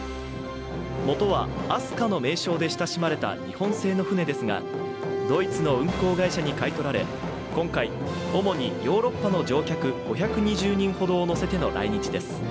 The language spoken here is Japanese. もとは「飛鳥」の名称で親しまれた日本製の船ですが、ドイツの運航会社に買い取られ、今回、主にヨーロッパの乗客５２０人ほどを乗せての来日です。